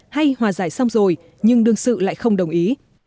hay hòa giải xong rồi nhưng đương sự lại không đồng ý